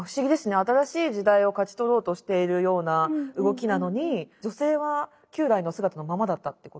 新しい時代を勝ち取ろうとしているような動きなのに女性は旧来の姿のままだったってこと。